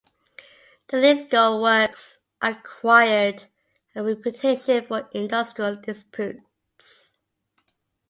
The Lithgow works acquired a reputation for industrial disputes.